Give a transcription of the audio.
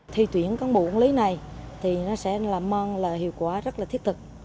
thi tuyển cán bộ quản lý này thì nó sẽ làm mong là hiệu quả rất là thiết thực